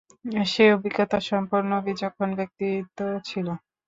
সে অভিজ্ঞতা সম্পন্ন, বিচক্ষণ ব্যক্তিত্ব ছিল।